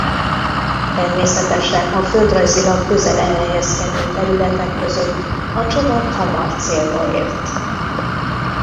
Természetesen a földrajzilag közel elhelyezkedő területek között a csomag hamar célba ért.